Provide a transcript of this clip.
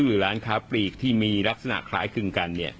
หรือร้านค้าปลีกที่มีลักษณะคล้ายคลึงกัน